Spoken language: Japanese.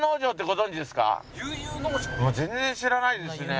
全然知らないですね。